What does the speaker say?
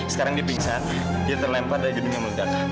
sekarang dipisah dia terlempar dari gedung yang meledak